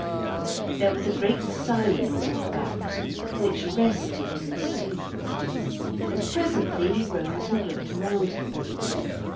There was a great silence all about, which rested and soothed, and presently he rose and looked around him.